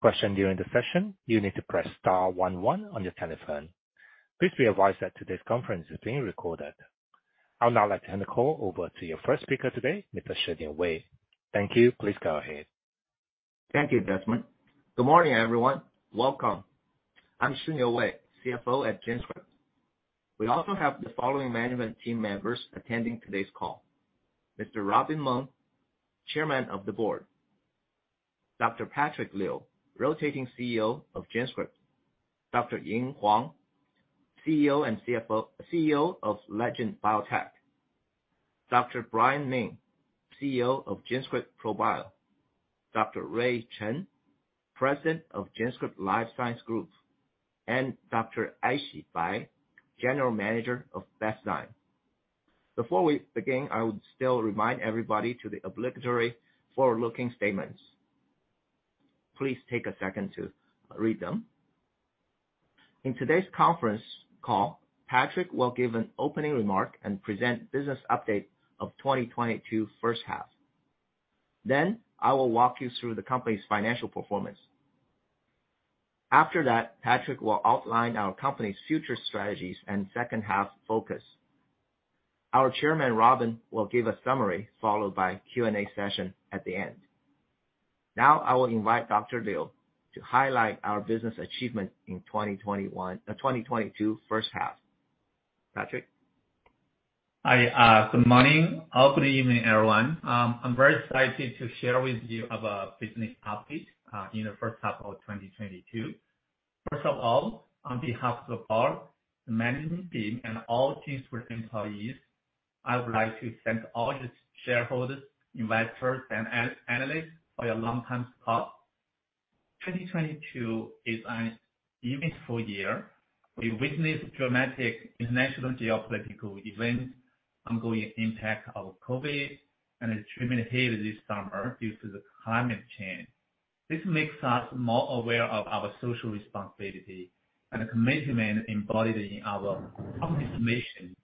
question during the session, you need to press star one on your telephone. Please be advised that today's conference is being recorded. I would now like to hand the call over to your first speaker today, Mr. Shiniu Wei. Thank you. Please go ahead. Thank you, Desmond. Good morning, everyone. Welcome. I'm Shiniu Wei, CFO at GenScript. We also have the following management team members attending today's call. Mr. Robin Meng, Chairman of the Board. Dr. Patrick Liu, Rotating CEO of GenScript. Dr. Ying Huang, CEO and CFO. CEO of Legend Biotech. Dr. Brian Min, CEO of GenScript ProBio. Dr. Ray Chen, President of GenScript Life Science Group. Dr. Aixi Bai, General Manager of Bestzyme. Before we begin, I would still remind everybody to the obligatory forward-looking statements. Please take a second to read them. In today's conference call, Patrick will give an opening remark and present business update of 2022 H1. Then I will walk you through the company's financial performance. After that, Patrick will outline our company's future strategies and H2 focus. Our chairman, Robin, will give a summary followed by Q&A session at the end. Now I will invite Dr. Patrick Liu to highlight our business achievement in 2022 H1. Patrick. Hi. Good morning or good evening, everyone. I'm very excited to share with you about business update in the H1 of 2022. First of all, on behalf of the board, the management team, and all GenScript employees, I would like to thank all the shareholders, investors, and analysts for your long-time support. 2022 is an eventful year. We witnessed dramatic international geopolitical events, ongoing impact of COVID, and extreme heat this summer due to the climate change. This makes us more aware of our social responsibility and commitment embodied in our company's mission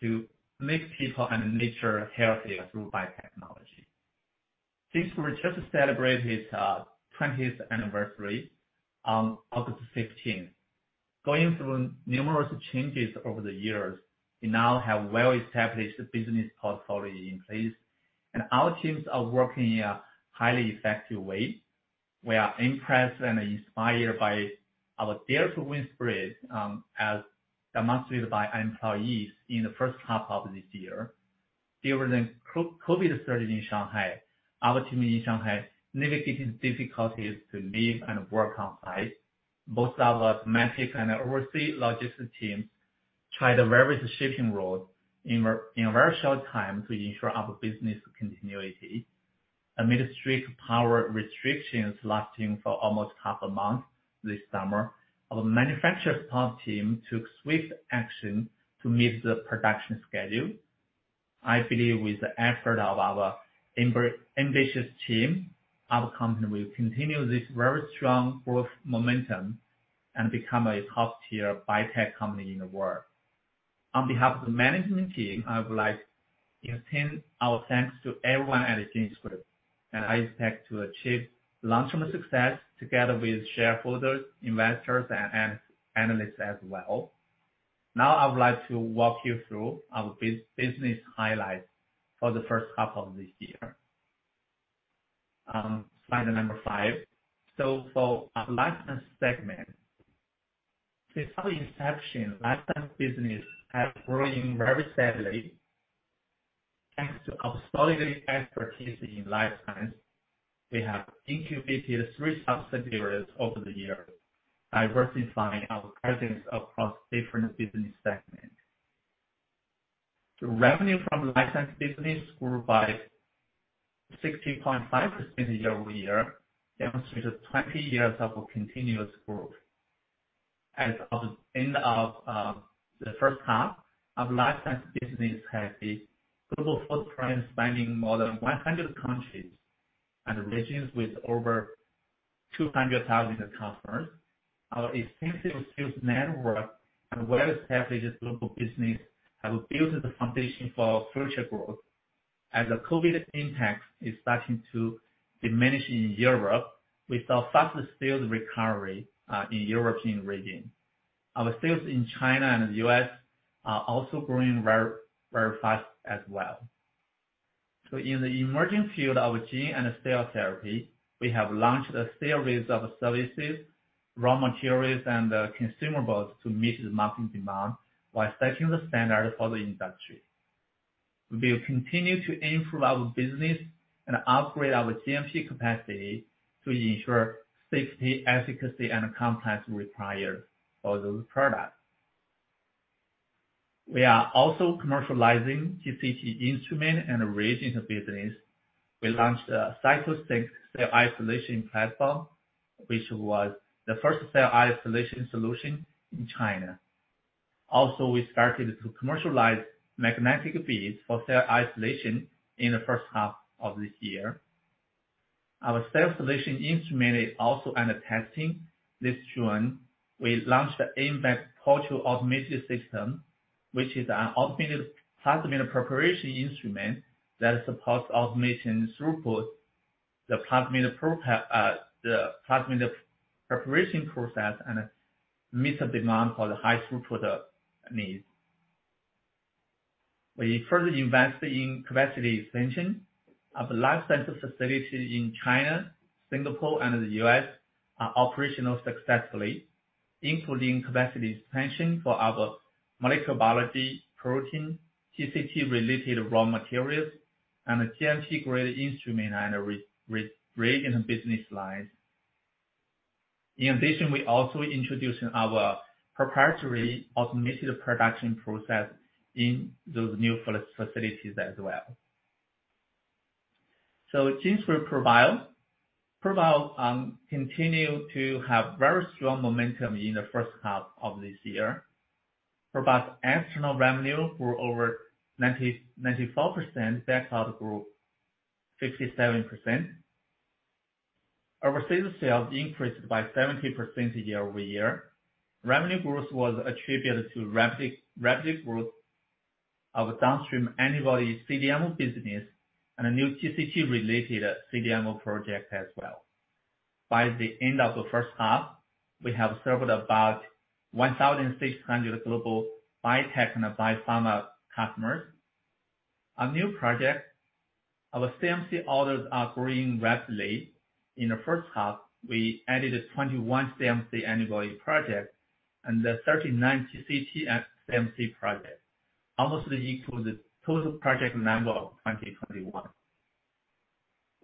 to make people and nature healthier through biotechnology. GenScript just celebrated 20th anniversary on August 16th. Going through numerous changes over the years, we now have well-established business portfolio in place, and our teams are working in a highly effective way. We are impressed and inspired by our dare to win spirit, as demonstrated by our employees in the H1 of this year. During the COVID surge in Shanghai, our team in Shanghai navigated difficulties to live and work on-site. Both our domestic and overseas logistics teams tried various shipping routes in a very short time to ensure our business continuity. Amid strict power restrictions lasting for almost half a month this summer, our manufacturer support team took swift action to meet the production schedule. I believe with the effort of our ambitious team, our company will continue this very strong growth momentum and become a top-tier biotech company in the world. On behalf of the management team, I would like to extend our thanks to everyone at GenScript, and I expect to achieve long-term success together with shareholders, investors, and analysts as well. Now I would like to walk you through our business highlights for the H1 of this year. Slide five. For our licensing segment. Since our inception, licensing business have grown very steadily. Thanks to our solid expertise in licensing, we have incubated three subsidiaries over the years, diversifying our presence across different business segments. The revenue from licensing business grew by 60.5% year-over-year, demonstrating 20 years of continuous growth. As of end of the H1, our licensing business has a global footprint spanning more than 100 countries and regions with over 200,000 customers. Our extensive sales network and well-established global business have built the foundation for future growth. As the COVID impact is starting to diminish in Europe, we saw faster sales recovery in European region. Our sales in China and U.S. are also growing very, very fast as well. In the emerging field of gene and cell therapy, we have launched a series of services, raw materials, and consumables to meet the market demand while setting the standard for the industry. We will continue to improve our business and upgrade our GMP capacity to ensure safety, efficacy, and performance required for those products. We are also commercializing PCT instrument and reagent business. We launched CytoSinc cell isolation platform, which was the first cell isolation solution in China. Also, we started to commercialize magnetic beads for cell isolation in the H1 of this year. Our cell selection instrument is also under testing. This June, we launched the AmMag total automated system, which is an automated plasmid preparation instrument that supports automation throughput, the plasmid preparation process, and meets the demand for the high-throughput needs. We further invest in capacity expansion of life sciences facilities in China, Singapore, and the US are operational successfully, including capacity expansion for our molecular biology, protein, GCT related raw materials, and a GMP grade instrument and related business lines. In addition, we also introduced our proprietary automated production process in those new facilities as well. GenScript ProBio continued to have very strong momentum in the H1 of this year. ProBio external revenue grew over 94%, backlog grew 57%. Overseas sales increased by 70% year-over-year. Revenue growth was attributed to rapid growth of downstream antibody CDMO business, and a new GCT-related CDMO project as well. By the end of the H1, we have served about 1,600 global biotech and biopharma customers. On new projects, our CMC orders are growing rapidly. In the H1, we added 21 CMC antibody projects and 39 GCT and CMC projects, almost equal to total project number of 2021.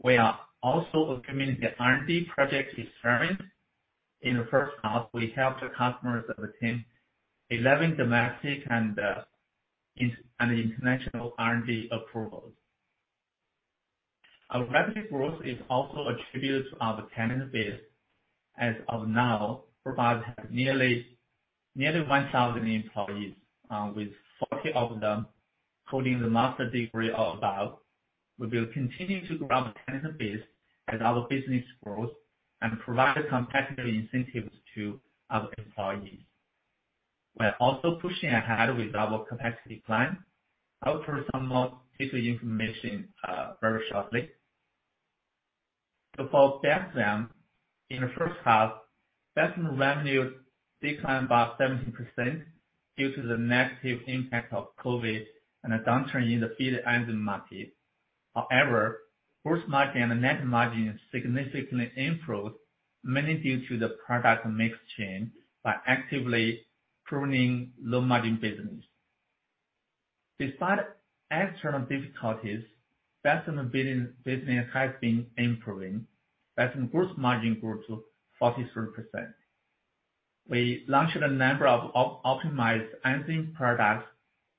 We are also welcoming the R&D projects and experiments. In the H1, we helped the customers obtain 11 domestic and international R&D approvals. Our rapid growth is also attributed to our talent base. As of now, we have nearly 1,000 employees with 40 of them holding a master's degree or above. We will continue to grow our talent base as our business grows and provide competitive incentives to our employees. We're also pushing ahead with our capacity plan. I'll cover some more detailed information very shortly. For Bestzyme, in the H1, Bestzyme revenue declined about 17% due to the negative impact of COVID and a downturn in the feed enzyme market. However, gross margin and net margin significantly improved, mainly due to the product mix change by actively pruning low-margin business. Despite external difficulties, Bestzyme business has been improving. Bestzyme gross margin grew to 43%. We launched a number of optimized enzyme products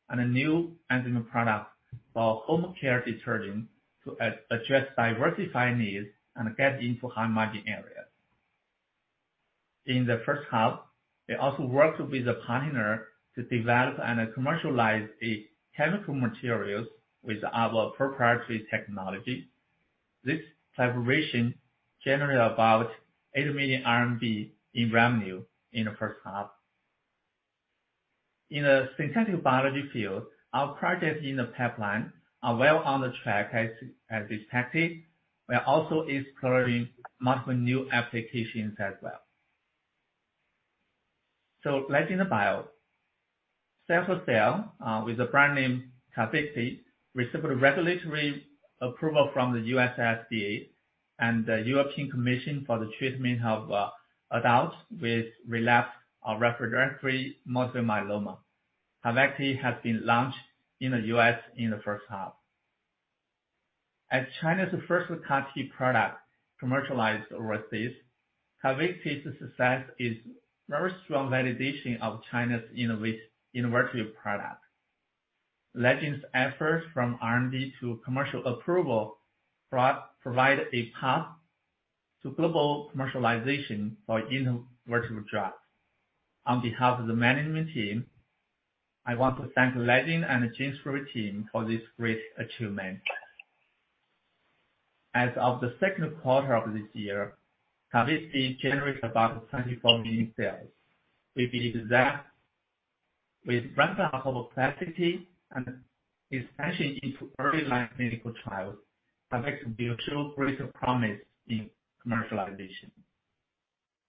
and a new enzyme product for home care detergent to address diversified needs and get into high-margin areas. In the H1, we also worked with a partner to develop and commercialize a chemical materials with our proprietary technology. This collaboration generated about 8 million RMB in revenue in the H1. In the synthetic biology field, our projects in the pipeline are well on track as expected. We are also exploring multiple new applications as well. Legend Biotech CAR-T cell with the brand name, Carvykti, received regulatory approval from the U.S. FDA and European Commission for the treatment of adults with relapsed or refractory multiple myeloma. Carvykti has been launched in the U.S. in the H1. As China's first CAR-T product commercialized overseas, Carvykti's success is very strong validation of China's innovative product. Legend Biotech's efforts from R&D to commercial approval provide a path to global commercialization for innovative drugs. On behalf of the management team, I want to thank Legend Biotech and GenScript team for this great achievement. As of the Q2 of this year, Carvykti generated about $24 million sales. We believe that with ramp up of capacity and expansion into early-line clinical trials, Carvykti will show greater promise in commercialization.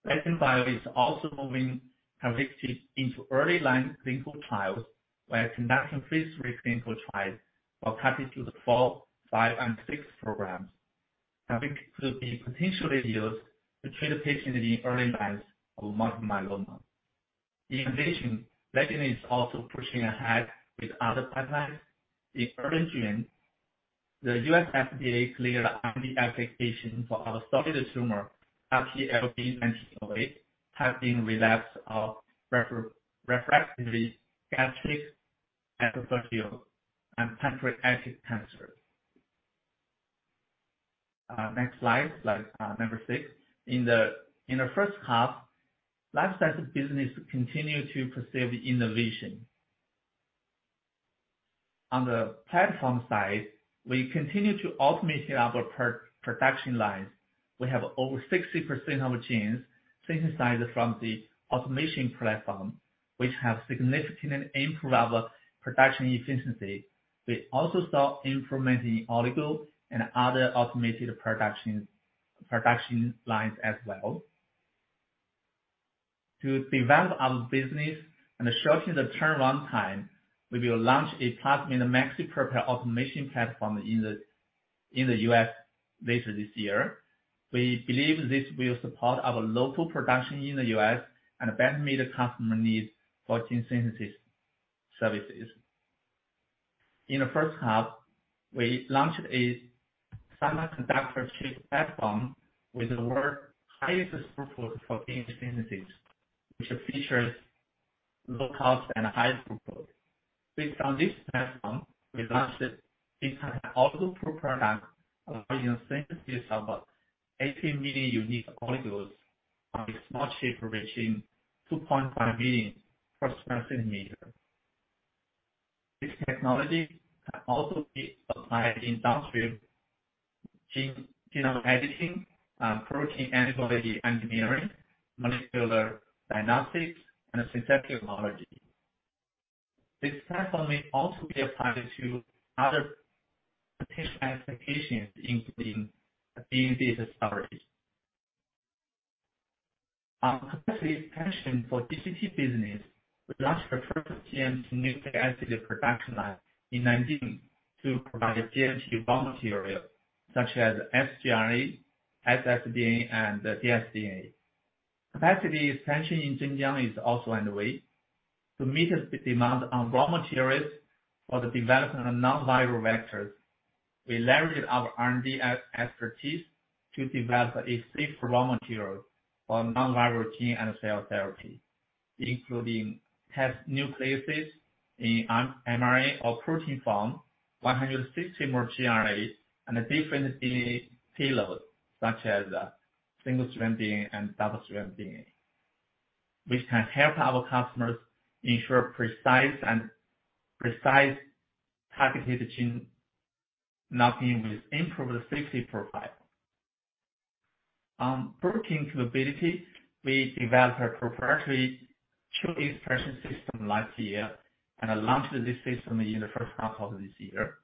Legend Biotech is also moving Carvykti into early-line clinical trials. We are conducting Phase III clinical trials for Carvykti for CARTITUDE-5 and CARTITUDE-6 programs. Carvykti could be potentially used to treat patients in the early lines of multiple myeloma. In addition, Legend is also pushing ahead with other pipelines. In early June, the U.S. FDA cleared IND application for our solid tumor, RTLB 28, having relapsed or refractory gastric adenocarcinoma and pancreatic cancer. In the H1, life sciences business continued to pursue innovation. On the platform side, we continue to automate our production lines. We have over 60% of genes synthesized from the automation platform, which have significantly improved our production efficiency. We also start implementing oligo and other automated production lines as well. To develop our business and shorten the turnaround time, we will launch a platinum maxi prep automation platform in the U.S. later this year. We believe this will support our local production in the U.S. and better meet the customer needs for gene synthesis services. In the H1, we launched a semiconductor chip platform with the world's highest throughput for gene synthesis, which features low cost and high throughput. Based on this platform, we launched this kind of auto pro product allowing synthesis of 18 million unique oligos on a small chip reaching 2.5 million per sq cm. This technology can also be applied in downstream gene genome editing, protein antibody engineering, molecular diagnostics, and synthetic biology. This platform may also be applied to other potential applications, including DNA data storage. Our capacity expansion for DCT business, we launched the first GMP nucleic acid production line in 2019 to provide GMP raw material such as sgRNA, ssDNA, and dsDNA. Capacity expansion in Xinjiang is also underway. To meet the demand on raw materials for the development of non-viral vectors, we leverage our R&D expertise to develop a safe raw material for non-viral gene and cell therapy, including T7 nucleases in mRNA or protein form, 160 sgRNAs, and different DNA payloads such as single-strand DNA and double-strand DNA, which can help our customers ensure precise targeted gene knocking with improved safety profile. On protein capability, we developed a proprietary CHO expression system last year and launched this system in the H1 of this year.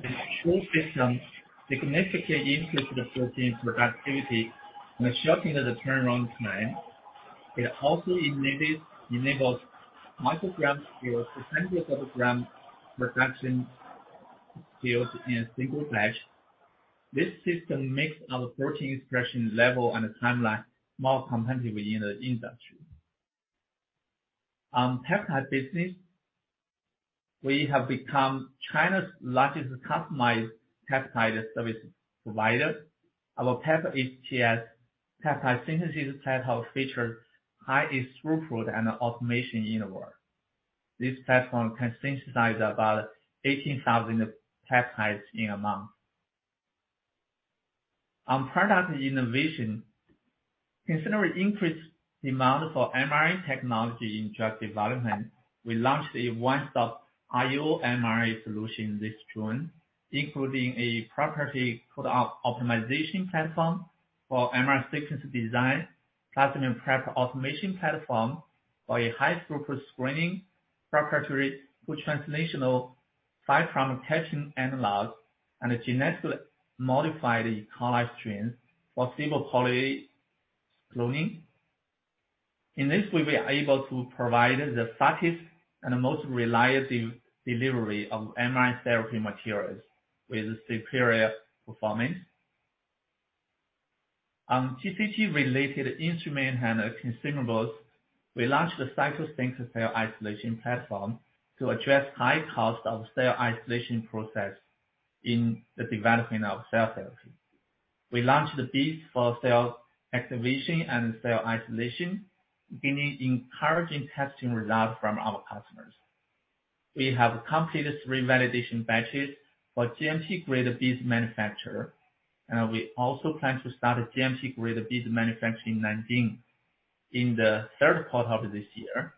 This CHO system significantly increases the protein productivity and shortens the turnaround time. It also enables microgram scale to 100-gram production scales in a single batch. This system makes our protein expression level and timeline more competitive in the industry. On peptide business, we have become China's largest customized peptide service provider. Our PepHTS peptide synthesis platform features highest throughput and automation in the world. This platform can synthesize about 18,000 peptides in a month. On product innovation, considering increased demand for mRNA technology in drug development, we launched a one-stop iomRNA solution this June, including a proprietary codon-optimization platform for mRNA sequence design, platinum prep automation platform for a high-throughput screening, proprietary post-transcriptional 5' cap analogs, and a genetically modified E. coli strain for stable poly cloning. In this, we'll be able to provide the fastest and most reliable delivery of mRNA therapy materials with superior performance. On GCT-related instruments and consumables, we launched the CytoSinc cell isolation platform to address high cost of cell isolation process in the development of cell therapy. We launched the BEADs for cell activation and cell isolation, gaining encouraging testing results from our customers. We have completed three validation batches for GMP-grade BEADs manufacturing, and we also plan to start a GMP-grade BEADs manufacturing in Nanjing in the Q3 of this year.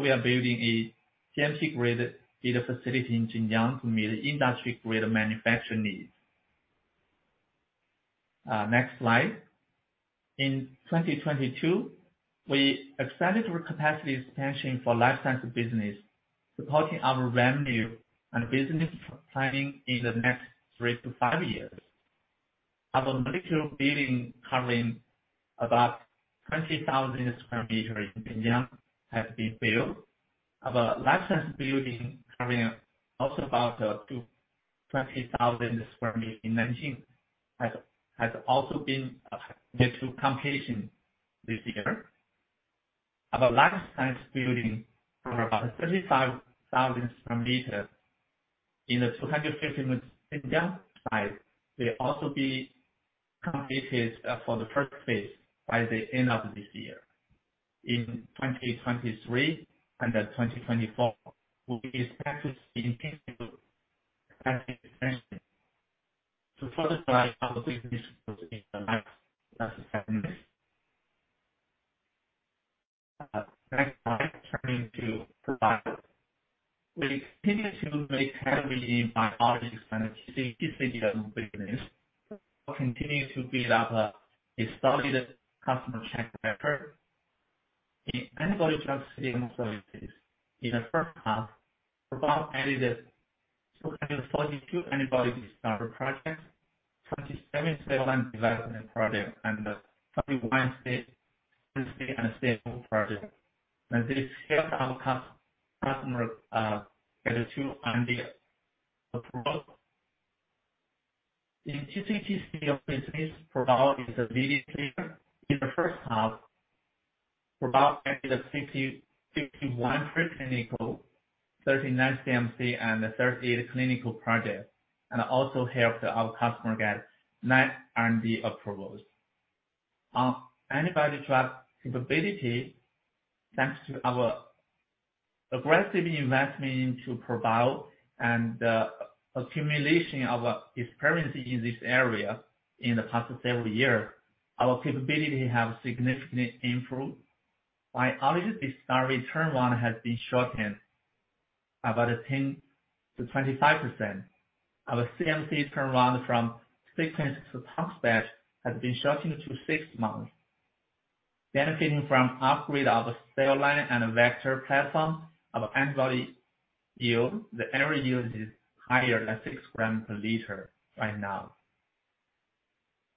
We are building a GMP-grade cGMP facility in Xinjiang to meet industry-grade manufacturing needs. Next slide. In 2022, we expanded our capacity expansion for life science business, supporting our revenue and business planning in the next three to five years. Our molecular building covering about 20,000 square meters in Xinjiang has been built. Our life science building covering also about up to 20,000 square meters in Nanjing has also been brought near to completion this year. Our life science building, covering about 35,000 square meters in the 250-acre Xinjiang site will also be completed for the first phase by the end of this year. In 2023 and 2024, we expect to see increasing capacity expansion to further drive our business growth in the life science business. Next slide. Turning to ProBio. We continue to invest heavily in biologics and GCT business, continue to build up an established customer track record. In antibody drug services, in the H1, ProBio added 242 antibody discovery projects, 27 development projects, and 21 pre-A and A stage projects. This helped our customer get two IND approvals. In GCT CDMO business, ProBio is a leading player. In the H1, ProBio added 61 pre-clinical, 39 CMC, and 38 clinical project, and also helped our customer get 9 R&D approvals. On antibody drug capability, thanks to our aggressive investment into ProBio and accumulation of experience in this area in the past several years, our capability have significantly improved. Biologics discovery turnaround has been shortened about 10%-25%. Our CMC turnaround from IND to first batch has been shortened to six months. Benefiting from upgrade of cell line and vector platform, our antibody yield, the average yield is higher than 6 g/L right now.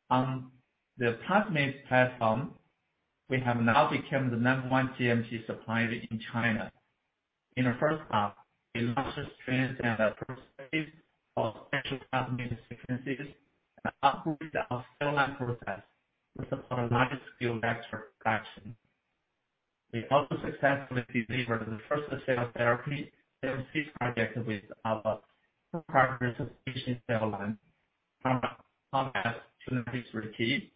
On the plasmid platform, we have now become the number one GMP supplier in China. In the H1, we launched a strain with improved safety for stable plasmid deficiencies and upgraded our cell line process with a large-scale vector production. We also successfully delivered the first cell therapy CMC project with our proprietary suspension cell line, ProBio F013.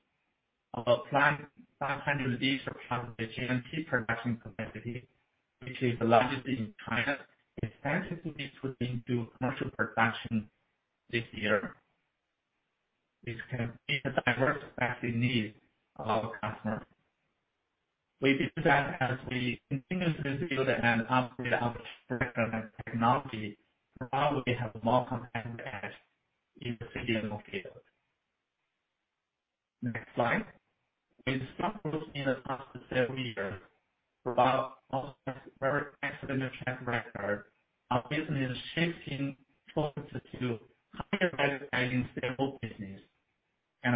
Our planned 500 L plasmid GMP production capacity, which is the largest in China, is expected to be put into commercial production this year, which can meet the diverse factory needs of our customers. We believe that as we continuously build and upgrade our platform and technology, ProBio will have more competitive edge in CDMO field. Next slide. With strong growth in the past several years, ProBio has a very excellent track record. Our business is shifting focus to higher value-adding stable business.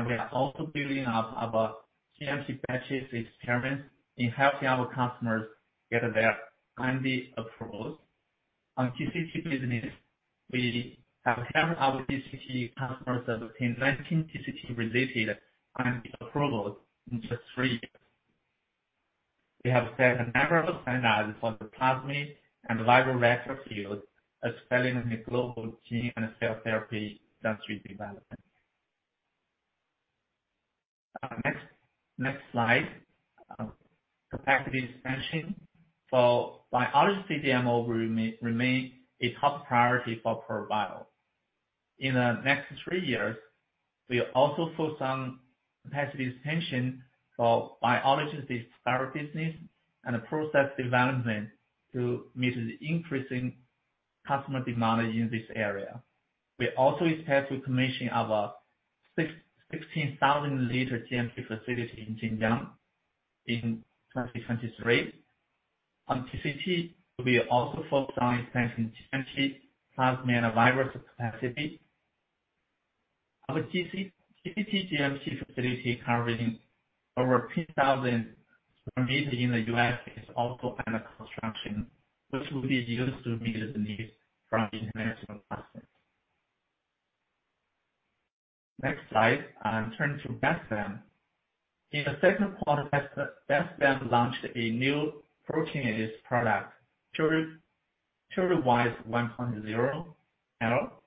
We are also building up our CMC batches experience in helping our customers get their R&D approvals. On GCT business, we have helped our GCT customers obtain 19 GCT-related R&D approvals in just 3 years. We have set a number of standards for the plasmid and viral vector field, expanding the global gene and cell therapy industry development. Next slide. Capacity expansion. Biologics CDMO will remain a top priority for ProBio. In the next 3 years, we are also focused on capacity expansion for biologics discovery business and process development to meet the increasing customer demand in this area. We also expect to commission our 16,000 L GMP facility in Xinjiang in 2023. On GCT, we are also focused on expanding GMP plasmid and viral capacity. Our GCT GMP facility covering over 2,000 sq m in the US is also under construction, which will be used to meet the needs from international customers. Next slide. I'm turning to Bestzyme. In the Q2, Bestzyme launched a new proteinase product, Turbo Wise 1.0 L,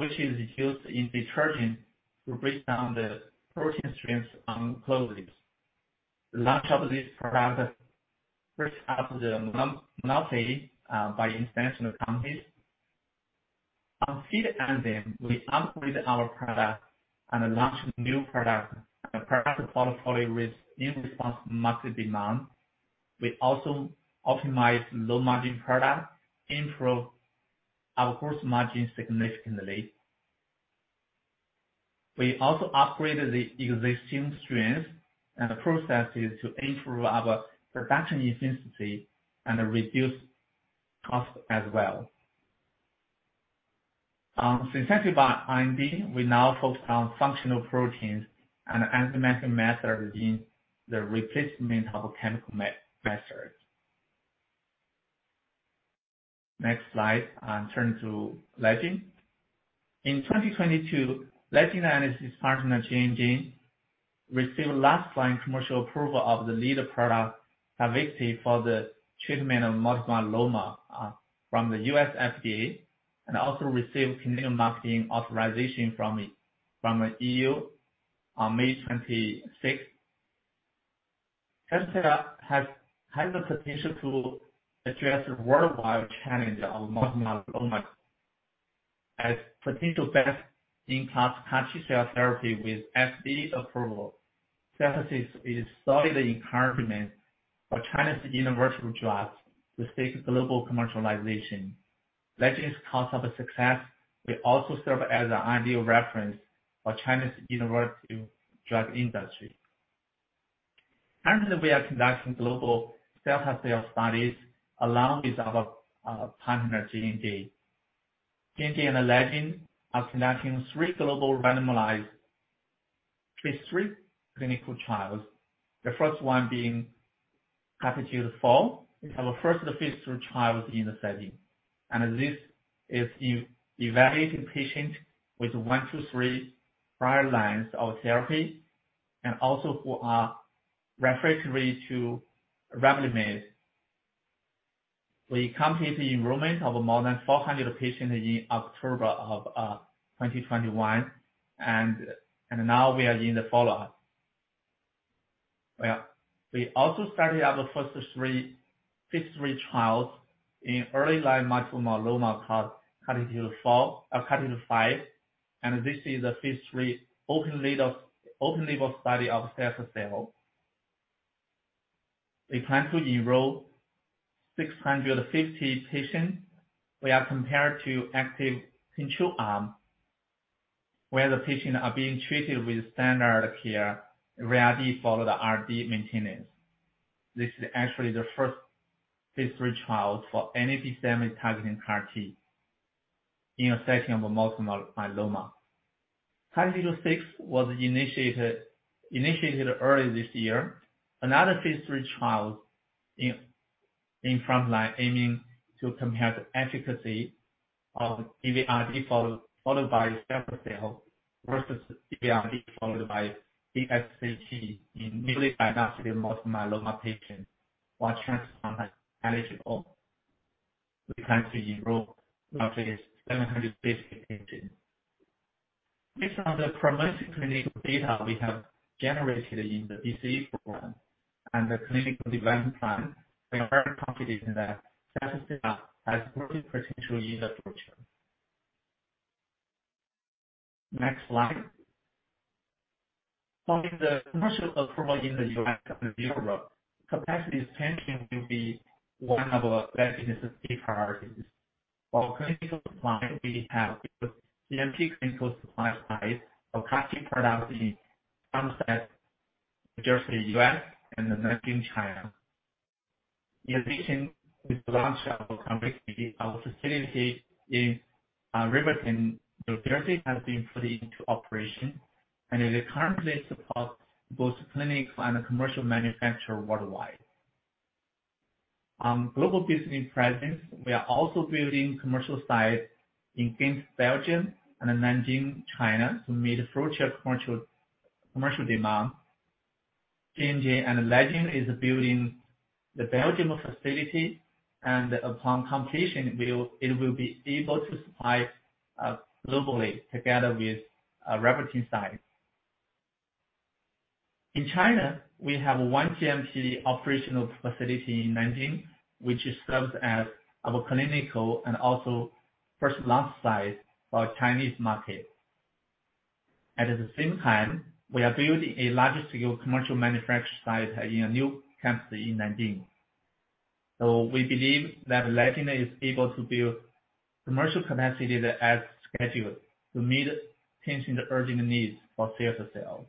which is used in detergent to break down the protein stains on clothes. Launch of this product breaks up the monopoly by international companies. On feed enzyme, we upgraded our product and launched new product and improved the product portfolio to respond to market demand. We also optimized low-margin product, improved our gross margin significantly. We also upgraded the existing strains and the processes to improve our production efficiency and reduce cost as well. Synthetic biology R&D, we now focus on functional proteins and enzymatic methods in the replacement of chemical methods. Next slide. I'm turning to Legend. In 2022, Legend and its partner, Janssen, received last-line commercial approval of the lead product, Carvykti, for the treatment of multiple myeloma from the U.S. FDA, and also received continued marketing authorization from EU on May 26. Carvykti has high potential to address the worldwide challenge of multiple myeloma. As potential best-in-class CAR-T cell therapy with FDA approval, Carvykti is solid encouragement for Chinese innovative drugs to seek global commercialization. Legend's course of success will also serve as an ideal reference for Chinese innovative drug industry. Currently, we are conducting global clinical studies along with our partner, J&J. J&J and Legend are conducting three global randomized, Phase III clinical trials, the first one being CARTITUDE-4. We have our first Phase III trial in the setting, and this is evaluating patients with 1-3 prior lines of therapy, and also who are refractory to Revlimid. We completed enrollment of more than 400 patients in October of 2021, and now we are in the follow-up. Well, we also started our first Phase III trial in early-line multiple myeloma called CARTITUDE-5, and this is a Phase III open-label study of cilta-cel. We plan to enroll 650 patients. Compared to active control arm, where the patients are being treated with standard care, VRd followed by RD maintenance. This is actually the first Phase III trial for any BCMA-targeting CAR-T in a setting of multiple myeloma. CARTITUDE-6 was initiated early this year. Another Phase III trial in frontline aiming to compare the efficacy of DVRd followed by cilta-cel versus DVRd followed by ASCT in newly diagnosed multiple myeloma patients who are transplant eligible. We plan to enroll up to 700 eligible patients. Based on the promising clinical data we have generated in the BCMA program and the clinical development plan, we are very confident that cilta-cel has tremendous potential in the future. Next slide. Following the commercial approval in the U.S. and Europe, capacity expansion will be one of Legend's key priorities. For clinical supply, we have GMP clinical supply sites for CAR-T products in Somerset, New Jersey, U.S., and Nanjing, China. In addition to the launch of our complex, our facility in Riverton, New Jersey, has been fully in operation, and it currently supports both clinical and commercial manufacture worldwide. Global business presence, we are also building commercial sites in Ghent, Belgium, and in Nanjing, China, to meet future commercial demand. J&J and Legend is building the Belgian facility, and upon completion, it will be able to supply globally together with Riverton site. In China, we have one GMP operational facility in Nanjing, which serves as our clinical and also first launch site for Chinese market. At the same time, we are building a larger-scale commercial manufacturing site in a new county in Nanjing. We believe that Legend is able to build commercial capacity as scheduled to meet the urgent needs for cilta-cel.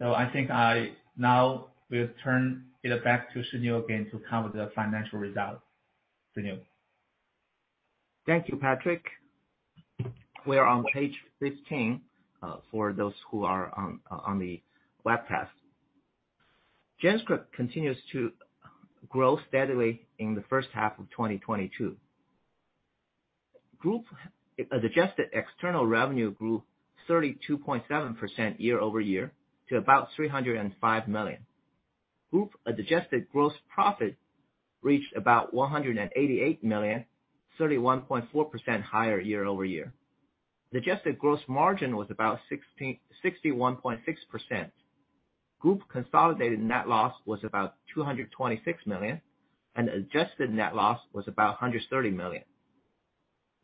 I think I now will turn it back to Shiniu Wei again to cover the financial results. Shiniu Wei. Thank you, Patrick. We are on page 15 for those who are on the webcast. GenScript continues to grow steadily in the H1 of 2022. The Group adjusted external revenue grew 32.7% year-over-year to about $305 million. The Group adjusted gross profit reached about $188 million, 31.4% higher year-over-year. The adjusted gross margin was about 61.6%. The Group consolidated net loss was about $226 million, and adjusted net loss was about $130 million.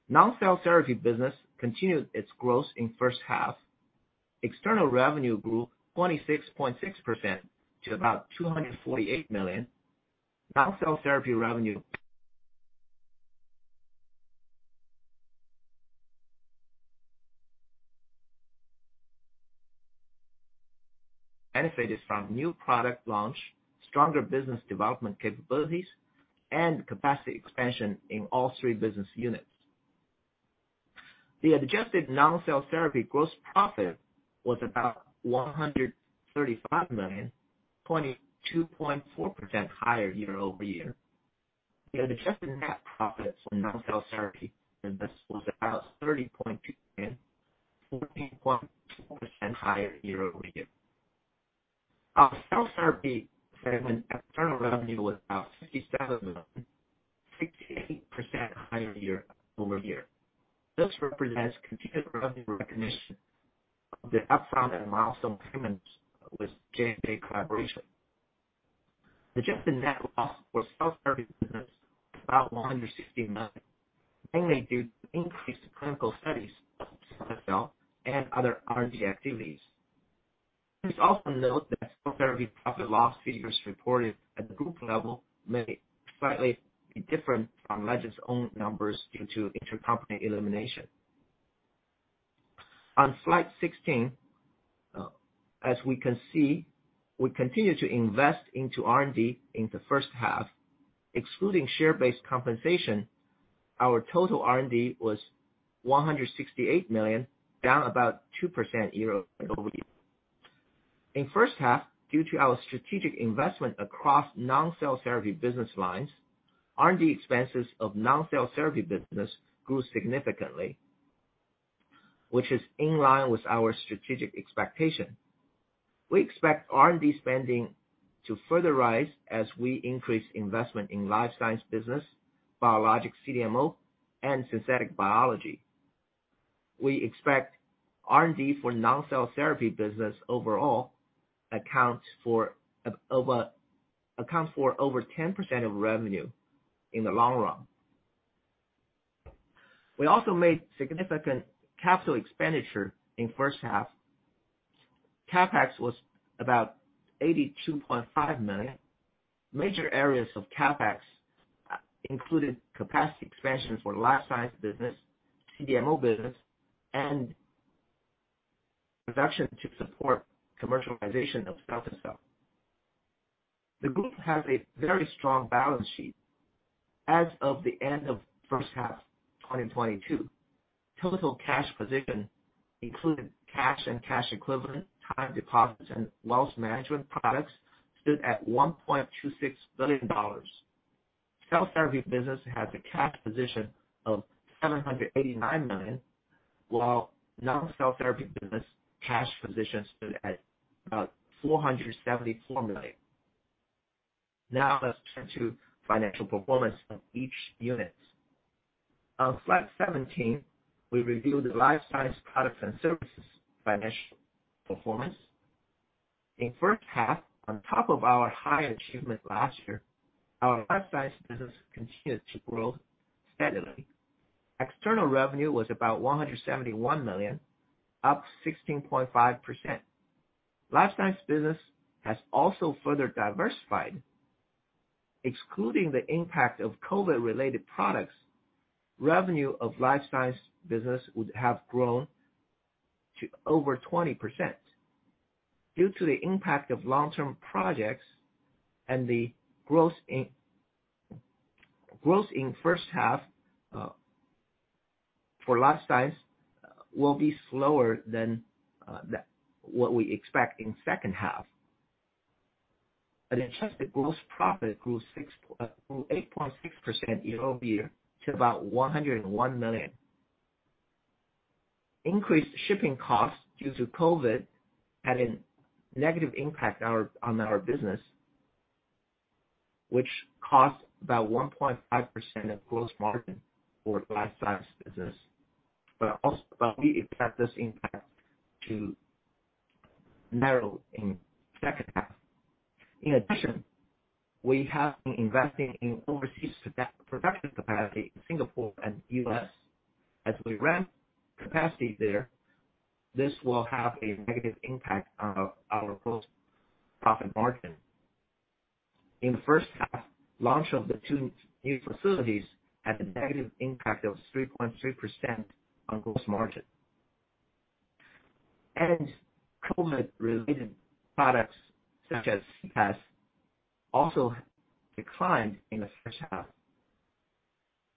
Non-cell therapy business continued its growth in H1. External revenue grew 26.6% to about $248 million. Non-cell therapy revenue benefited from new product launch, stronger business development capabilities, and capacity expansion in all three business units. The adjusted non-cell therapy gross profit was about $135 million, 22.4% higher year-over-year. The adjusted net profits from non-cell therapy business was about $30.2 million, 14.2% higher year-over-year. Our cell therapy segment external revenue was about $57 million, 68% higher year-over-year. This represents continued revenue recognition of the upfront and milestone payments with J&J collaboration. Adjusted net loss for cell therapy business about $160 million, mainly due to increased clinical studies of cell and other R&D activities. Please also note that cell therapy profit loss figures reported at the group level may slightly be different from Legend's own numbers due to intercompany elimination. On slide 16, as we can see, we continue to invest into R&D in the H1. Excluding share-based compensation, our total R&D was $168 million, down about 2% year-over-year. In H1, due to our strategic investment across non-cell therapy business lines, R&D expenses of non-cell therapy business grew significantly, which is in line with our strategic expectation. We expect R&D spending to further rise as we increase investment in life science business, biologics CDMO, and synthetic biology. We expect R&D for non-cell therapy business overall accounts for over 10% of revenue in the long run. We also made significant capital expenditure in H1. CapEx was about $82.5 million. Major areas of CapEx included capacity expansion for life science business, CDMO business, and production to support commercialization of cilta-cel. The group has a very strong balance sheet. As of the end of H1 2022, total cash position, including cash and cash equivalent, time deposits, and wealth management products, stood at $1.26 billion. Cell therapy business has a cash position of $789 million, while non-cell therapy business cash position stood at about $474 million. Now let's turn to financial performance of each unit. On slide 17, we review the life science products and services financial performance. In H1, on top of our high achievement last year, our life science business continued to grow steadily. External revenue was about $171 million, up 16.5%. Life science business has also further diversified. Excluding the impact of COVID-related products, revenue of life science business would have grown to over 20%. Due to the impact of long-term projects and the growth in H1, for Life Science will be slower than what we expect in H2. Adjusted gross profit grew 8.6% year-over-year to about $101 million. Increased shipping costs due to COVID had a negative impact on our business, which cost about 1.5% of gross margin for Life Science business. We expect this impact to narrow in H2. In addition, we have been investing in overseas production capacity in Singapore and U.S. As we ramp capacity there, this will have a negative impact on our gross profit margin. In the H1, launch of the two new facilities had a negative impact of 3.3% on gross margin. COVID-related products such as cPass also declined in the H1,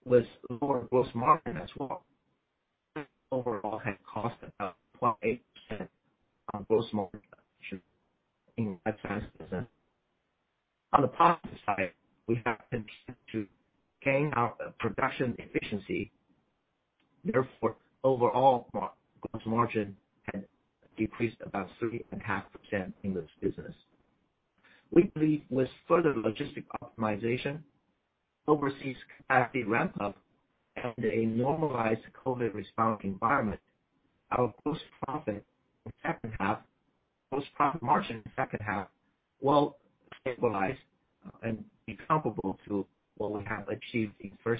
with lower gross margin as well. Overall had cost about 0.8% on gross margin in life science business. On the positive side, we have continued to gain our production efficiency. Therefore, overall gross margin had decreased about 3.5% in this business. We believe with further logistic optimization, overseas capacity ramp up, and a normalized COVID response environment, our gross profit margin in H2 will stabilize and be comparable to what we have achieved in H1.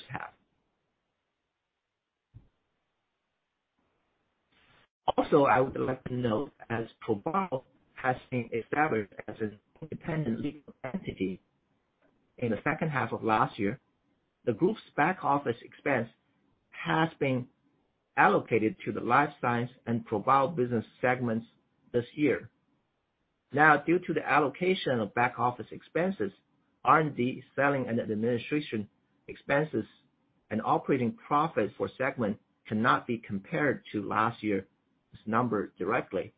Also, I would like to note, as ProBio has been established as an independent legal entity in the H2 of last year, the group's back-office expense has been allocated to the life science and ProBio business segments this year. Now, due to the allocation of back-office expenses, R&D, selling and administration expenses and operating profits for segment cannot be compared to last year's number directly.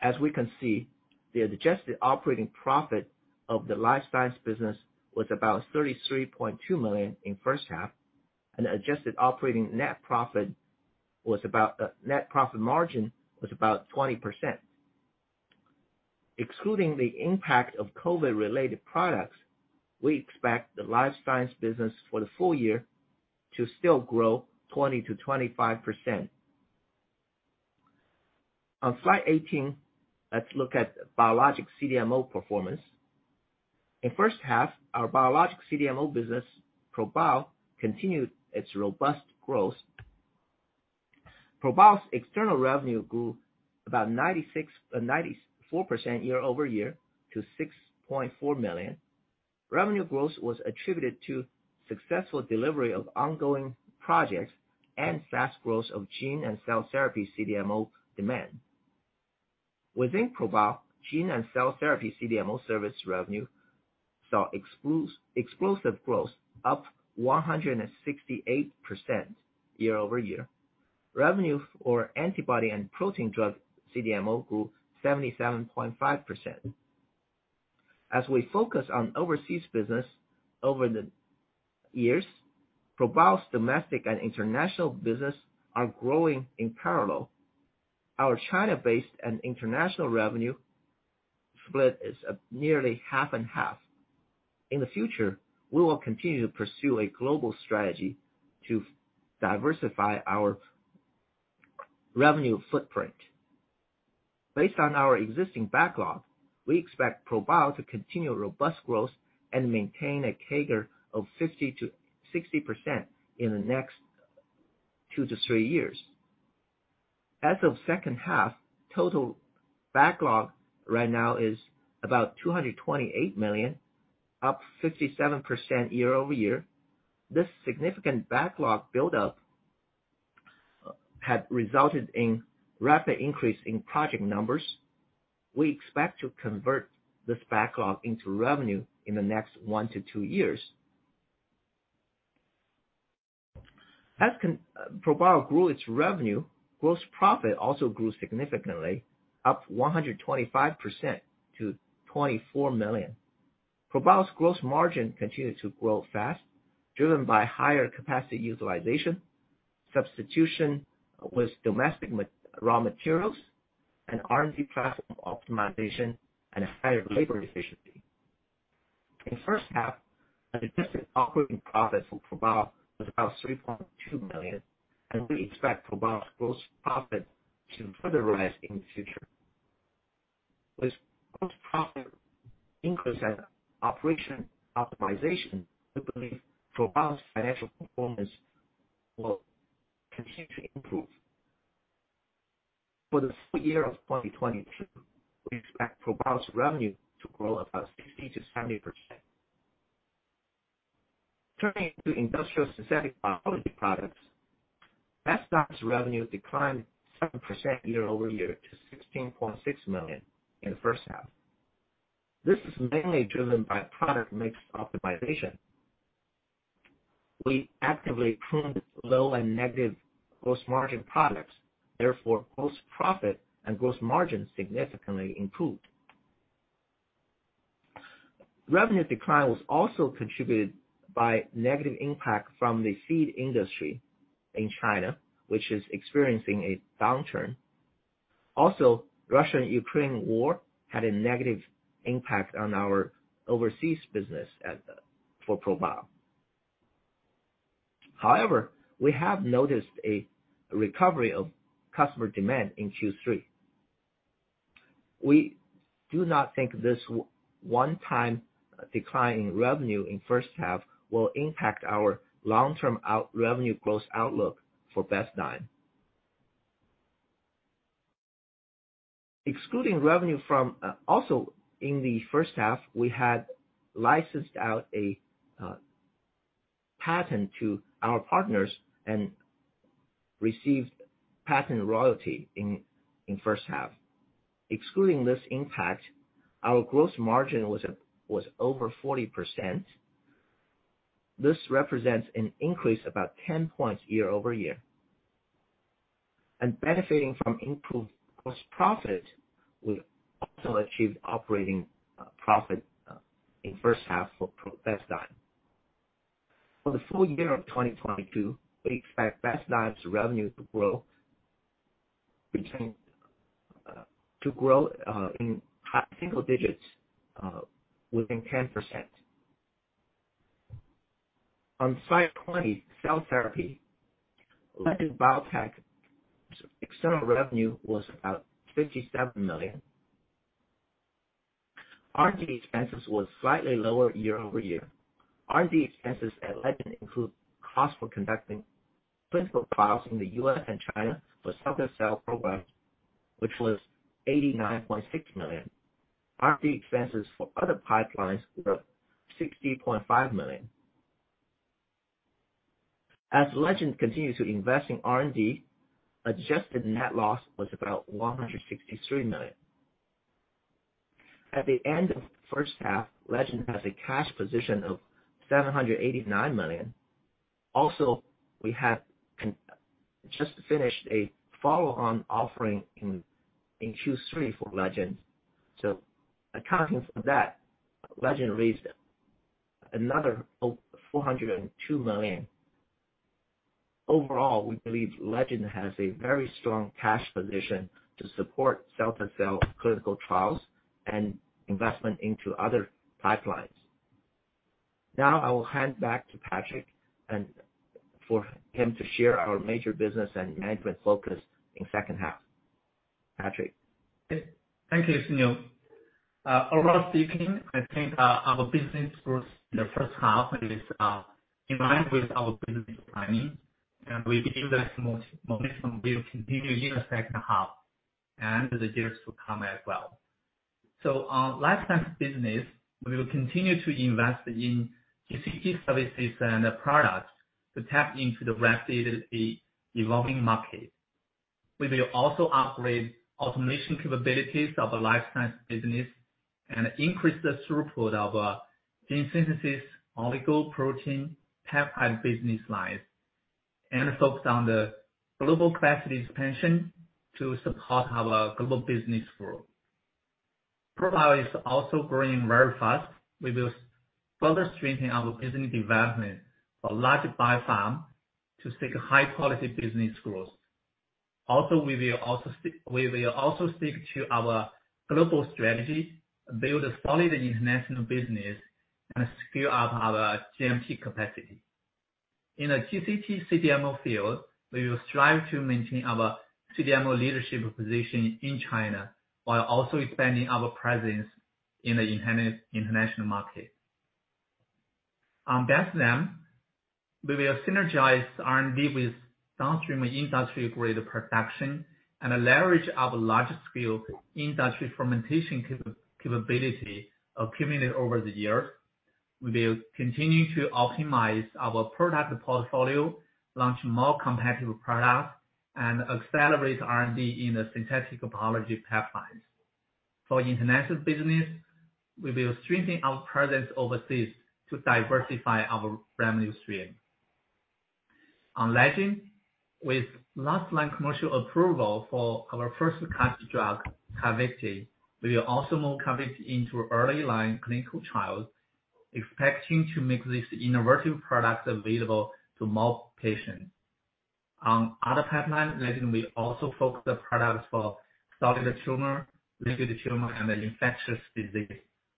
As we can see, the adjusted operating profit of the life science business was about $33.2 million in H1, and the net profit margin was about 20%. Excluding the impact of COVID-related products, we expect the life science business for the full year to still grow 20%-25%. On slide 18, let's look at biologics CDMO performance. In H1, our biologics CDMO business, ProBio, continued its robust growth. ProBio's external revenue grew about 96% or 94% year-over-year to $6.4 million. Revenue growth was attributed to successful delivery of ongoing projects and fast growth of gene and cell therapy CDMO demand. Within ProBio, gene and cell therapy CDMO service revenue saw explosive growth, up 168% year-over-year. Revenue for antibody and protein drug CDMO grew 77.5%. As we focus on overseas business over the years, ProBio's domestic and international business are growing in parallel. Our China-based and international revenue split is nearly half and half. In the future, we will continue to pursue a global strategy to diversify our revenue footprint. Based on our existing backlog, we expect ProBio to continue robust growth and maintain a CAGR of 50%-60% in the next two to three years. As of H2, total backlog right now is about $228 million, up 57% year-over-year. This significant backlog buildup had resulted in rapid increase in project numbers. We expect to convert this backlog into revenue in the next 1-2 years. As ProBio grew its revenue, gross profit also grew significantly, up 125% to $24 million. ProBio's gross margin continued to grow fast, driven by higher capacity utilization, substitution with domestic raw materials and R&D process optimization, and a higher labor efficiency. In H1, adjusted operating profits for ProBio was about $3.2 million, and we expect ProBio's gross profit to further rise in the future. With gross profit increase and operation optimization, we believe ProBio's financial performance will continue to improve. For the full year of 2022, we expect ProBio's revenue to grow about 50%-70%. Turning to industrial synthetic biology products. Bestzyme's revenue declined 7% year-over-year to $16.6 million in the H1. This is mainly driven by product mix optimization. We actively pruned low and negative gross margin products, therefore, gross profit and gross margin significantly improved. Revenue decline was also contributed by negative impact from the seed industry in China, which is experiencing a downturn. Russia-Ukraine war had a negative impact on our overseas business for ProBio. However, we have noticed a recovery of customer demand in Q3. We do not think this one time decline in revenue in H1 will impact our long-term revenue growth outlook for Bestzyme. Excluding revenue from, also in the H1, we had licensed out a patent to our partners and received patent royalty in H1. Excluding this impact, our gross margin was over 40%. This represents an increase about 10 points year-over-year. Benefiting from improved gross profit, we also achieved operating profit in H1 for Bestzyme. For the full year of 2022, we expect Bestzyme's revenue to grow in high single digits, within 10%. On slide 20, cell therapy. Legend Biotech's external revenue was about $57 million. R&D expenses was slightly lower year over year. R&D expenses at Legend include cost for conducting clinical trials in the U.S. and China for CAR-T cell programs, which was $89.6 million. R&D expenses for other pipelines were $60.5 million. As Legend continues to invest in R&D, adjusted net loss was about $163 million. At the end of the H1, Legend has a cash position of $789 million. Also, we have just finished a follow-on offering in Q3 for Legend. Accounting for that, Legend raised another $402 million. Overall, we believe Legend has a very strong cash position to support CAR-T cell clinical trials and investment into other pipelines. Now I will hand back to Patrick and for him to share our major business and management focus in H2. Patrick. Thank you, Shiniu. Overall speaking, I think, our business growth in the H1 is in line with our business planning. We believe that momentum will continue in the H2 and the years to come as well. On life science business, we will continue to invest in GCT services and products to tap into the rapidly evolving market. We will also upgrade automation capabilities of the life science business and increase the throughput of gene synthesis, oligo, protein, peptide business lines, and focus on the global capacity expansion to support our global business growth. ProBio is also growing very fast. We will further strengthen our business development for large biopharm to seek high-quality business growth. Also, we will also stick to our global strategy, build a solid international business, and scale up our GMP capacity. In the GCT CDMO field, we will strive to maintain our CDMO leadership position in China while also expanding our presence in the international market. On Bestzyme, we will synergize R&D with downstream industry-grade production and leverage our large-scale industry fermentation capability accumulated over the years. We will continue to optimize our product portfolio, launch more competitive products, and accelerate R&D in the synthetic biology pipelines. For international business, we will strengthen our presence overseas to diversify our revenue stream. On Legend, with last line commercial approval for our first-class drug, Carvykti, we will also move Carvykti into early line clinical trials, expecting to make this innovative product available to more patients. On other pipeline, Legend will also focus the products for solid tumor, liquid tumor, and infectious disease,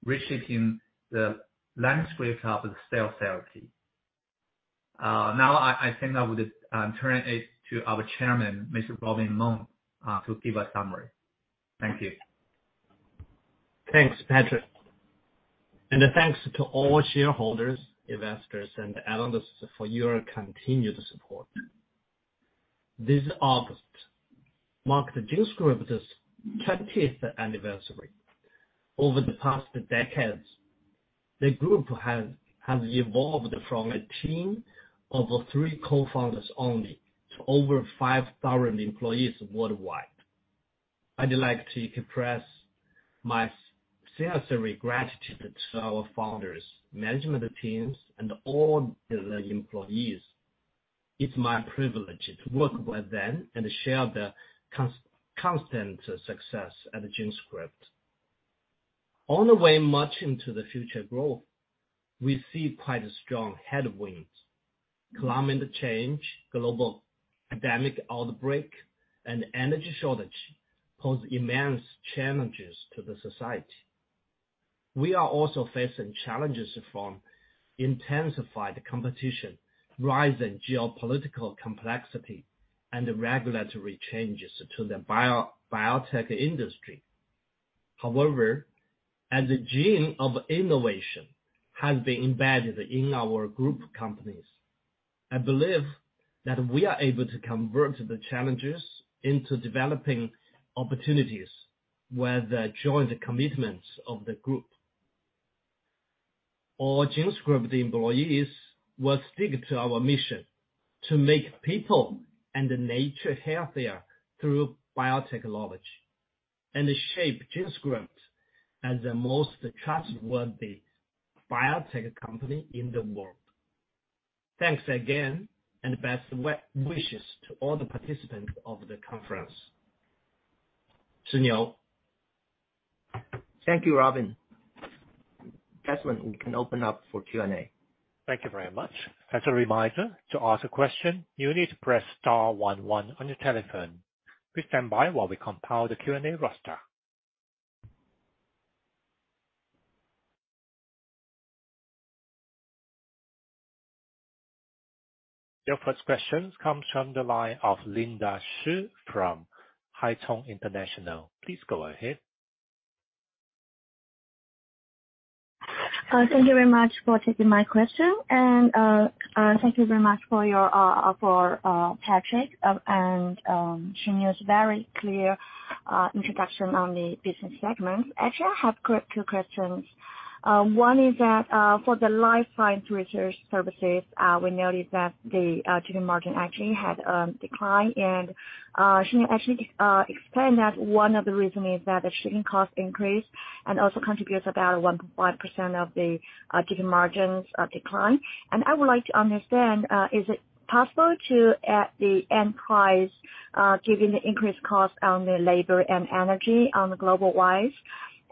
reaching the landscape of the cell therapy. Now I think I would turn it to our chairman, Mr. Robin Meng to give a summary. Thank you. Thanks, Patrick. Thanks to all shareholders, investors, and analysts for your continued support. This August marked GenScript's 30th anniversary. Over the past decades, the group has evolved from a team of three co-founders only to over 5,000 employees worldwide. I'd like to express my sincere gratitude to our founders, management teams, and all the employees. It's my privilege to work with them and share the constant success at GenScript. On the way forward into the future growth, we see quite strong headwinds. Climate change, global pandemic outbreak, and energy shortage pose immense challenges to the society. We are also facing challenges from intensified competition, rising geopolitical complexity, and regulatory changes to the biotech industry. However, as the gene of innovation has been embedded in our group companies, I believe that we are able to convert the challenges into developing opportunities with the joint commitments of the group. All GenScript employees will stick to our mission to make people and nature healthier through biotechnology and shape GenScript as the most trustworthy biotech company in the world. Thanks again, and best wishes to all the participants of the conference. Xunyo. Thank you, Robin. Desmond, we can open up for Q&A. Thank you very much. As a reminder, to ask a question, you need to press star one one on your telephone. Please stand by while we compile the Q&A roster. Your first question comes from the line of Linda Shi from Haitong International. Please go ahead. Thank you very much for taking my question, and thank you very much for Patrick and Shiniu's very clear introduction on the business segment. Actually, I have two questions. One is that for the life science research services, we noticed that the margin actually had declined. Shiniu actually explained that one of the reason is that the shipping cost increased and also contributes about 1.5% of the given margins decline. I would like to understand, is it possible to adjust the price given the increased costs of labor and energy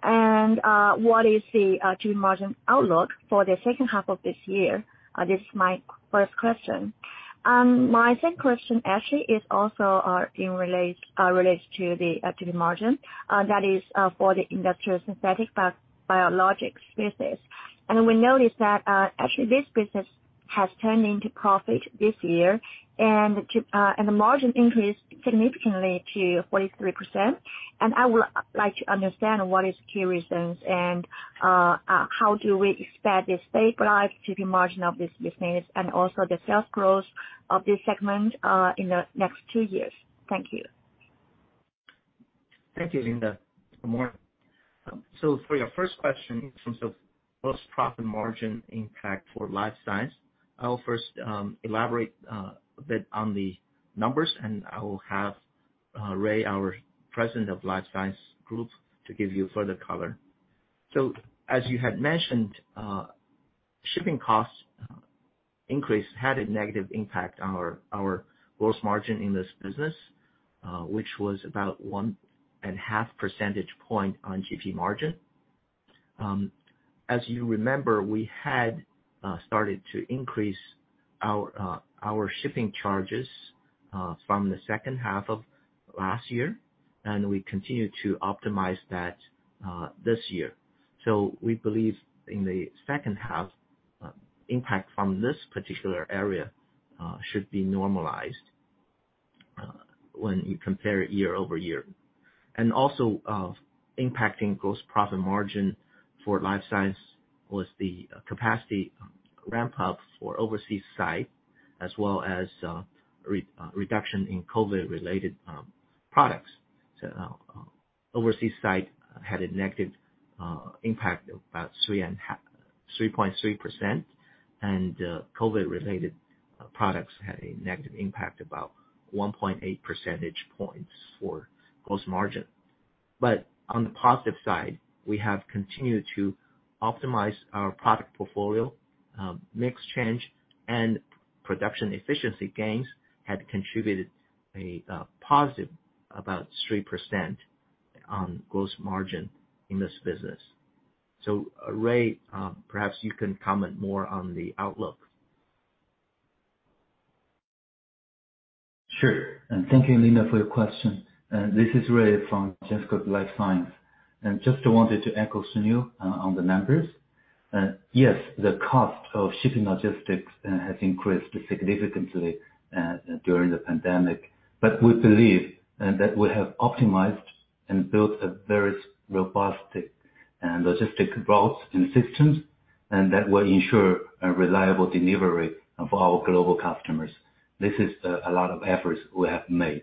globally? What is the given margin outlook for the H2 of this year? This is my first question. My second question actually is also relates to the margin that is for the industrial synthetic biologics business. We noticed that actually this business has turned into profit this year and the margin increased significantly to 43%. I would like to understand what is key reasons and how do we expect the stabilized GP margin of this business and also the sales growth of this segment in the next two years. Thank you. Thank you, Linda. Good morning. For your first question in terms of gross profit margin impact for Life Science, I will first elaborate a bit on the numbers, and I will have Ray Chen, our President of Life Science Group to give you further color. As you had mentioned, shipping costs increase had a negative impact on our gross margin in this business, which was about 1.5 percentage points on GP margin. As you remember, we had started to increase our shipping charges from the H2 of last year, and we continued to optimize that this year. We believe in the H2 impact from this particular area should be normalized when you compare year-over-year. Impacting gross profit margin for Life Science was the capacity ramp up for overseas site, as well as, reduction in COVID-related products. Overseas site had a negative impact of about 3.3%. COVID related products had a negative impact, about 1.8 percentage points for gross margin. On the positive side, we have continued to optimize our product portfolio. Mix change and production efficiency gains had contributed a positive about 3% on gross margin in this business. Ray, perhaps you can comment more on the outlook. Sure. Thank you, Linda Shi, for your question. This is Ray Chen from GenScript Life Science. Just wanted to echo Shiniu Wei on the numbers. Yes, the cost of shipping logistics has increased significantly during the pandemic. We believe that we have optimized and built a very robust logistic routes and systems, and that will ensure a reliable delivery for our global customers. This is a lot of efforts we have made.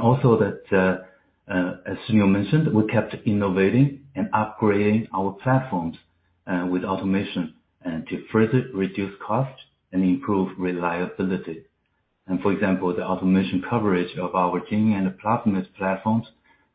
Also that, as Shiniu Wei mentioned, we kept innovating and upgrading our platforms with automation to further reduce costs and improve reliability. For example, the automation coverage of our GMP and the platforms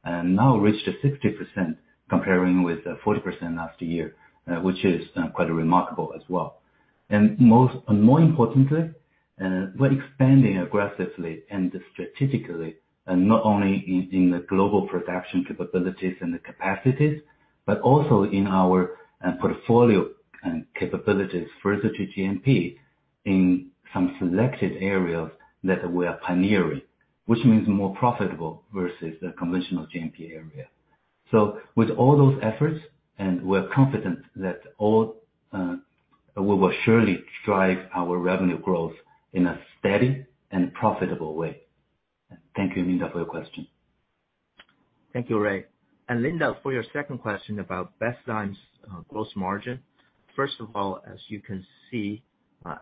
now reached 60% compared with 40% last year, which is quite remarkable as well. Most importantly, we're expanding aggressively and strategically, and not only in the global production capabilities and the capacities, but also in our portfolio and capabilities further to GMP in some selected areas that we are pioneering, which means more profitable versus the conventional GMP area. With all those efforts, we're confident that we will surely drive our revenue growth in a steady and profitable way. Thank you, Linda, for your question. Thank you, Ray. Linda, for your second question about Bestzyme's gross margin. First of all, as you can see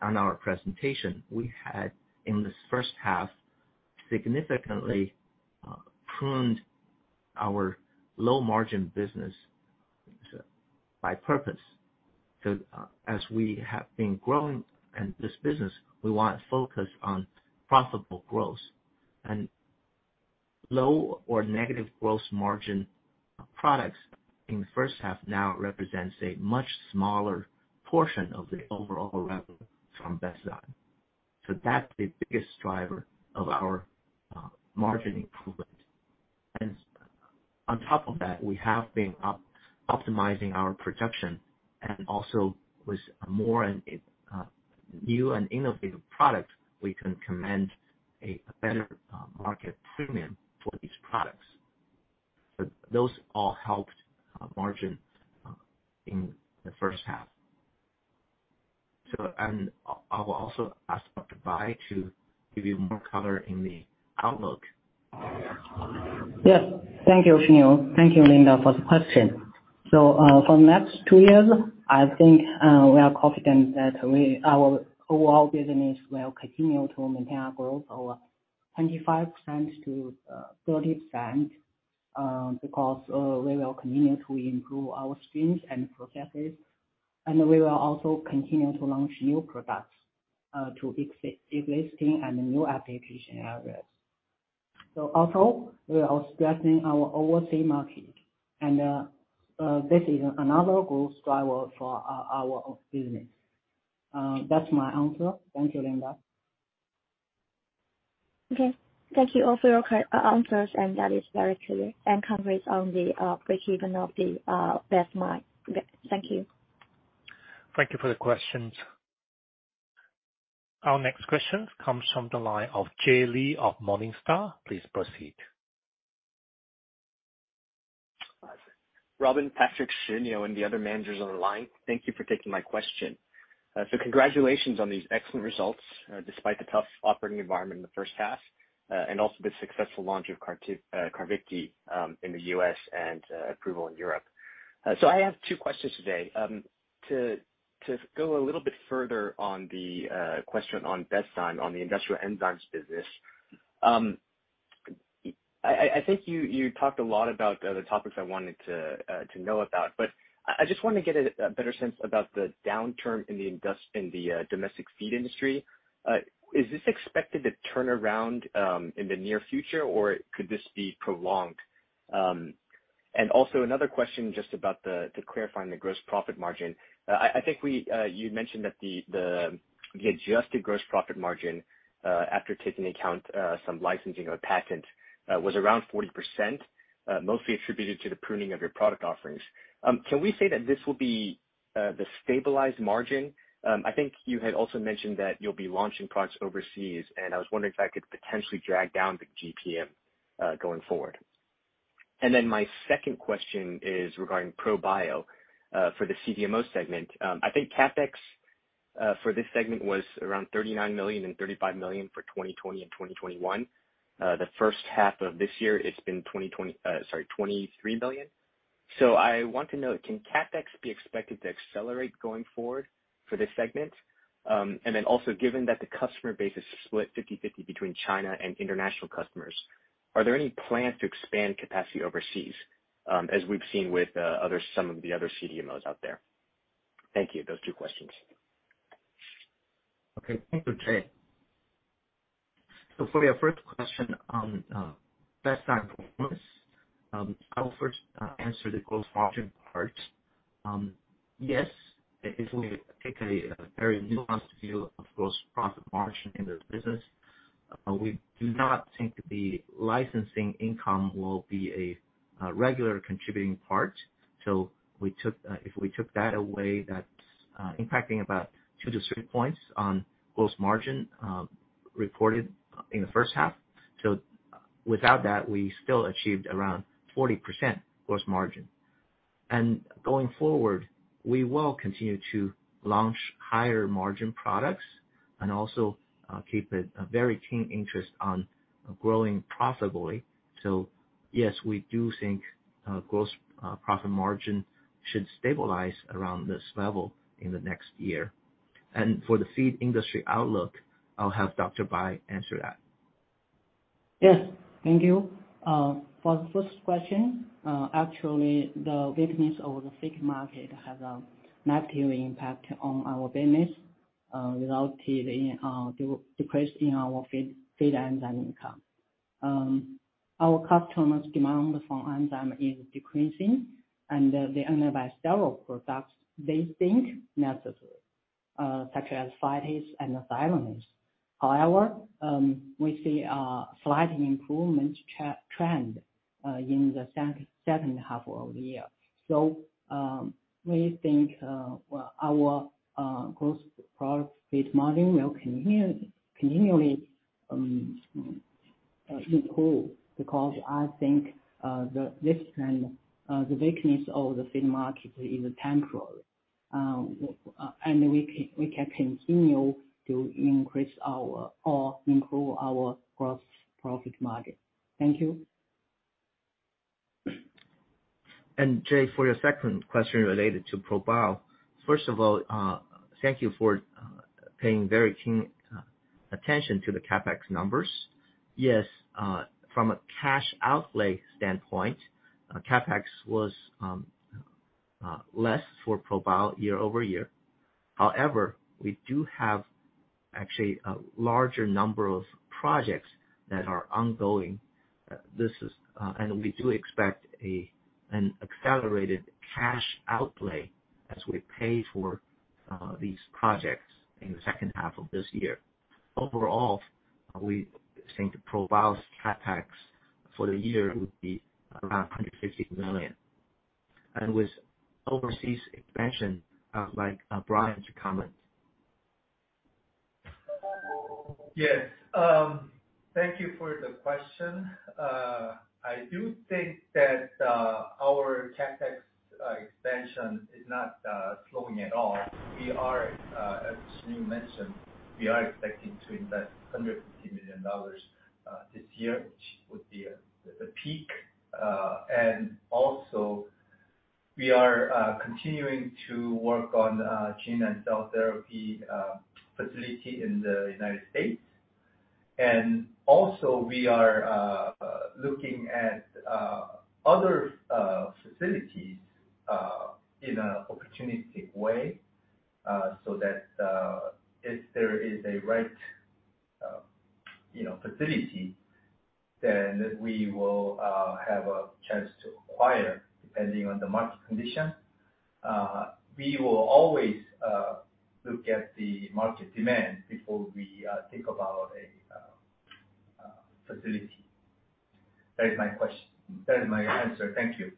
on our presentation, we had, in this H1, significantly pruned our low margin business on purpose. As we have been growing in this business, we want to focus on profitable growth. Low or negative gross margin products in the H1 now represents a much smaller portion of the overall revenue from Bestzyme. That's the biggest driver of our margin improvement. On top of that, we have been optimizing our production and also with more and new and innovative products, we can command a better market premium for these products. Those all helped our margin in the H1. I will also ask Dr. Aixi Bai to give you more color in the outlook. Yes. Thank you, Shiniu Wei. Thank you, Linda Shi, for the question. For next two years, I think we are confident that our overall business will continue to maintain our growth of 25%-30%, because we will continue to improve our streams and processes, and we will also continue to launch new products to existing and new application areas. We are stressing our overseas market. This is another growth driver for our business. That's my answer. Thank you, Linda Shi. Okay. Thank you all for your answers, and that is very clear and covers the breakeven of Bestzyme. Thank you. Thank you for the questions. Our next question comes from the line of Jay Lee of Morningstar. Please proceed. Robin, Patrick, Xin, you know, and the other managers on the line, thank you for taking my question. Congratulations on these excellent results, despite the tough operating environment in the H1, and also the successful launch of Carvykti in the U.S. and approval in Europe. I have two questions today. To go a little bit further on the question on Bestzyme, on the industrial enzymes business. I think you talked a lot about the other topics I wanted to know about, but I just wanna get a better sense about the downturn in the domestic feed industry. Is this expected to turn around in the near future, or could this be prolonged? Also another question just about clarifying the gross profit margin. I think you mentioned that the adjusted gross profit margin after taking into account some licensing or patent was around 40%, mostly attributed to the pruning of your product offerings. Can we say that this will be the stabilized margin? I think you had also mentioned that you'll be launching products overseas, and I was wondering if that could potentially drag down the GPM going forward. My second question is regarding ProBio for the CDMO segment. I think CapEx for this segment was around $39 million and $35 million for 2020 and 2021. The H1 of this year it's been $23 million. I want to know, can CapEx be expected to accelerate going forward for this segment? And then also, given that the customer base is split 50/50 between China and international customers, are there any plans to expand capacity overseas, as we've seen with other CDMOs out there? Thank you. Those two questions. Thank you, Jay. For your first question on Bestzyme performance, I will first answer the gross margin part. Yes, if we take a very nuanced view of gross profit margin in the business, we do not think the licensing income will be a regular contributing part. If we took that away, that's impacting about 2-3 points on gross margin reported in the H1. Without that, we still achieved around 40% gross margin. Going forward, we will continue to launch higher margin products and also keep a very keen interest on growing profitably. Yes, we do think gross profit margin should stabilize around this level in the next year. For the feed industry outlook, I'll have Dr. Aixi Bai answer that. Yes. Thank you. For the first question, actually, the weakness of the feed market has a material impact on our business, resulting in depressing our feed enzyme income. Our customers' demand for enzyme is decreasing, and they only buy several products they think necessary, such as phytase and amylase. However, we see a slight improvement trend in the H2 of the year. We think our gross profit margin will continually improve, because I think this trend, the weakness of the feed market is temporary. And we can continue to increase our or improve our gross profit margin. Thank you. Jay Lee, for your second question related to ProBio. First of all, thank you for paying very keen attention to the CapEx numbers. Yes, from a cash outlay standpoint, CapEx was less for ProBio year-over-year. However, we do have actually a larger number of projects that are ongoing. We do expect an accelerated cash outlay as we pay for these projects in the H2 of this year. Overall, we think the ProBio's CapEx for the year will be around $150 million. With overseas expansion, I'd like Brian Ming to comment. Yes. Thank you for the question. I do think that our CapEx expansion is not slowing at all. We are, as Xin mentioned, expecting to invest $150 million this year, which would be the peak. We are continuing to work on gene and cell therapy facility in the United States. We are looking at other facilities in an opportunistic way, so that if there is a right you know facility, then we will have a chance to acquire depending on the market condition. We will always look at the market demand before we think about a facility. That is my answer. Thank you.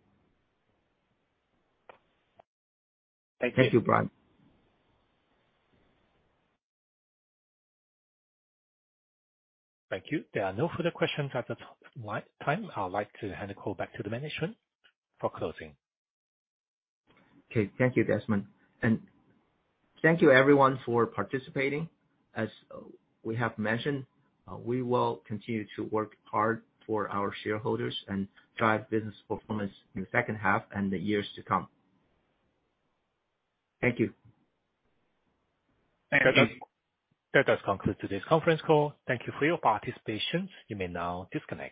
Thank you, Brian. Thank you. There are no further questions at the time. I would like to hand it back to the management for closing. Okay. Thank you, Desmond. Thank you everyone for participating. As we have mentioned, we will continue to work hard for our shareholders and drive business performance in the H2 and the years to come. Thank you. Thank you. That does conclude today's conference call. Thank you for your participation. You may now disconnect.